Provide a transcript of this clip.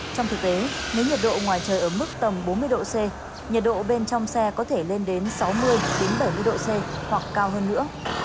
trong thực tế nếu nhiệt độ ngoài trời ở mức tầm bốn mươi độ c nhiệt độ bên trong xe có thể lên đến sáu mươi bảy mươi độ c hoặc cao hơn nữa